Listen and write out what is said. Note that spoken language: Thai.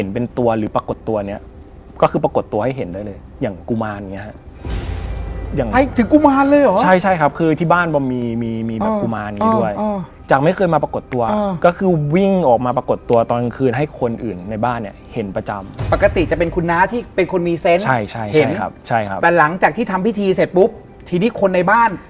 เผื่อท่านไหนที่อาจจะพลาดไป